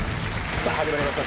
さぁ始まりました